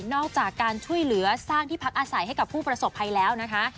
อกจากการช่วยเหลือสร้างที่พักอาศัยให้กับผู้ประสบภัยแล้วนะคะ